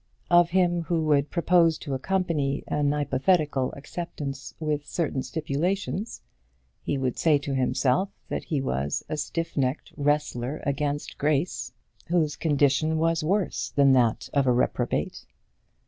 Of him who would propose to accompany an hypothetical acceptance with certain stipulations, he would say to himself that he was a stiff necked wrestler against grace, whose condition was worse than that of the reprobate.